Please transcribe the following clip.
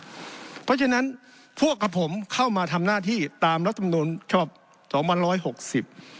เพราะฉะนั้นพวกกับผมเข้ามาทำหน้าที่ตามรัฐมนุนฉบับ๒๑๖๐